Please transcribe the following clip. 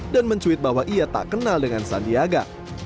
mencuit bahwa ia tak kenal dengan sandiaga